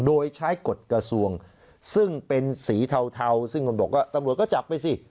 โดยใช้กฎกระทรวงซึ่งเป็นสีเทาซึ่งคนบอกว่าตำรวจก็จับไปสิ